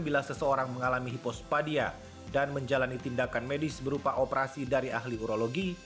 bila seseorang mengalami hipospadia dan menjalani tindakan medis berupa operasi dari ahli urologi